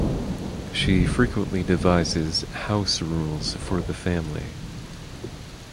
She frequently devises "house rules" for the family.